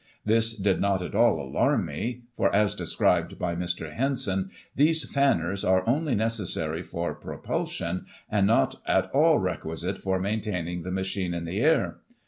This did not at all alarm me ; for, as described by Mr. Henson, these fanners are only necessary for propulsion, and not at all requisite for maintaining the machine in the air.